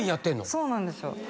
そうなんですよ。